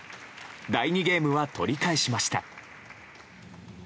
第２ゲームは取り返しました。